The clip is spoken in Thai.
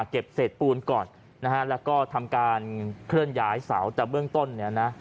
เก็บเสร็จปูนก่อนแล้วก็ทำการเคลื่อนย้ายเสาร์จากเมืองต้น